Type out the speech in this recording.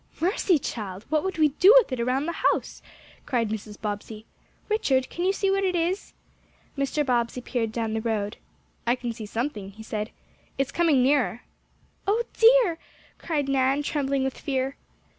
"Mercy, child! What would we do with it around the house?" cried Mrs. Bobbsey. "Richard, can you see what it is?" Mr. Bobbsey peered down the road. "I can see something," he said. "It's coming nearer." "Oh dear!" cried Nan, trembling with fear.